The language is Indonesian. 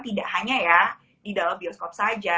tidak hanya ya di dalam bioskop saja